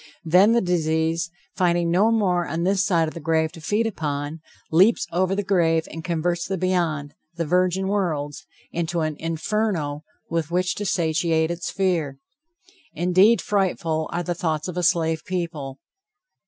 Then the disease, finding no more on this side of the grave to feed upon, leaps over the grave and converts the beyond, the virgin worlds, into an inferno with which to satiate its fear. Indeed frightful are the thoughts of a slave people!